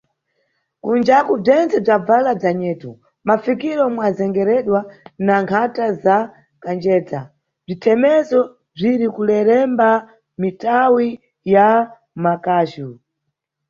Kunjaku bzentse bzabvala bza nyetu, mʼmafikiro mwa zengereredwa na nkhata za kanjedza, bzithemezo bziri kuleremba mʼmithawi ya mʼmakaju.